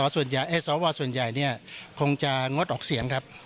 สวส่วนใหญ่คงจะงดออกเสียงครับ